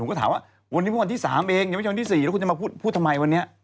ก็ถามว่าวันนี้เมื่อวันที่๓เองยังไม่ใช่วันที่๔แล้วคุณจะมาพูดทำไมวันนี้